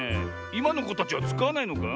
いまのこたちはつかわないのか？